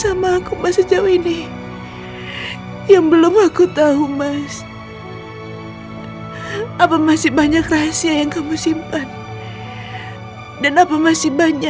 apa aku masih bisa percaya kamu mas